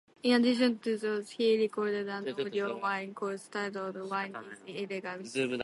In addition to those, he recorded an audio wine course titled "Wine Is Elegance".